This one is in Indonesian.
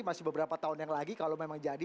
masih beberapa tahun yang lagi kalau memang jadi